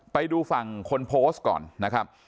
ไปดูฝั่งคนโพสต์ก่อนนะครับ